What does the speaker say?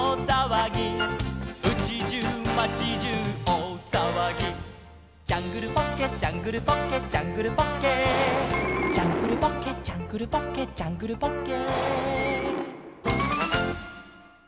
「うちじゅう町じゅうおおさわぎ」「ジャングルポッケジャングルポッケ」「ジャングルポッケ」「ジャングルポッケジャングルポッケ」「ジャングルポッケ」